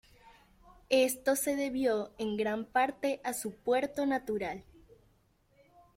Esto se debió en gran parte a su puerto natural.